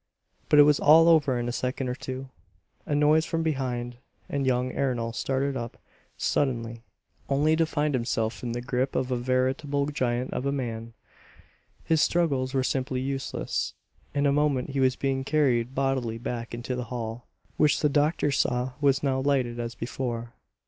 But it was all over in a second or two. A noise from behind, and young Ernol started up suddenly, only to find himself in the grip of a veritable giant of a man. His struggles were simply useless. In a moment he was being carried bodily back into the hall, which the doctor saw was now lighted as before.